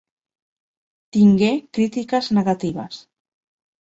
Tingué crítiques negatives.